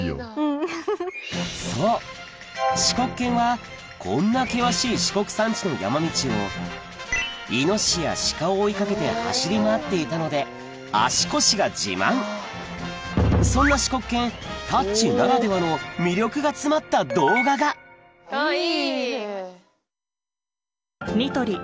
そう四国犬はこんな険しい四国山地の山道をイノシシやシカを追い掛けて走り回っていたので足腰が自慢そんな四国犬タッチならではの魅力が詰まった動画があっいい。